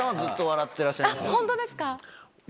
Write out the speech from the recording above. あっ本当ですか？